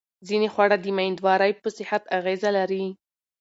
ځینې خواړه د مېندوارۍ په صحت اغېزه لري.